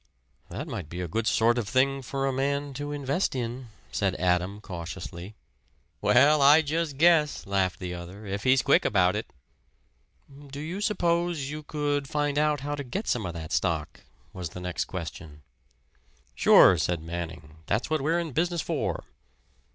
"That might be a good sort of thing for a man to invest in," said Adam cautiously. "Well, I just guess!" laughed the other. "If he's quick about it." "Do you suppose you could find out how to get some of that stock?" was the next question. "Sure," said Manning "that's what we're in business for."